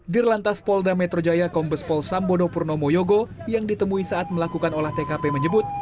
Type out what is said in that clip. dir lantas polda metro jaya kombespol sambodo purnomo yogo yang ditemui saat melakukan olah tkp menyebut